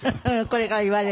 これから言われる。